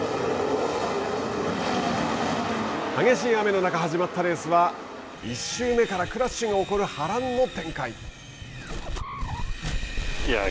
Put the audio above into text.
激しい雨の中始まったレースは１周目からクラッシュが起こる波乱の展開。